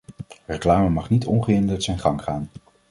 Reclame mag niet ongehinderd zijn gang gaan.